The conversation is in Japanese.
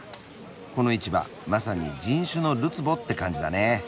この市場まさに人種のるつぼって感じだね。